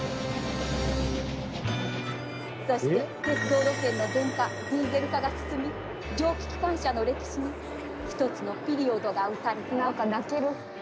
そして鉄道路線の電化・ディーゼル化が進み蒸気機関車の歴史に一つのピリオドが打たれたわ。